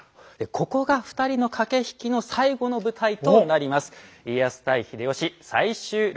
ここが２人の駆け引きの最後の舞台となります。